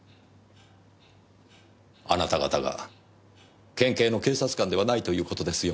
あなた方が県警の警察官ではないということですよ。